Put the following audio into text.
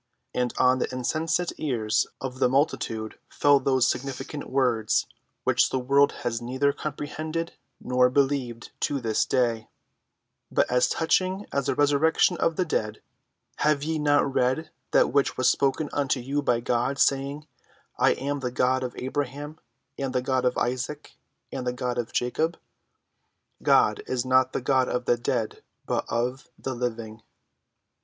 And on the insensate ears of the multitude fell those significant words which the world has neither comprehended nor believed to this day: "But as touching the resurrection of the dead, have ye not read that which was spoken unto you by God, saying, I am the God of Abraham, and the God of Isaac, and the God of Jacob? _God is not the God of the dead, but of the living.